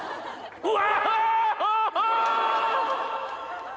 うわ！